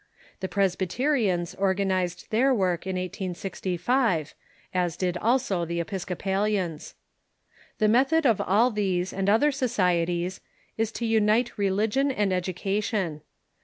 The Presbyterians organized their work in 1865, as did also the Episcopalians. The method of all these and other societies is to unite religion and education.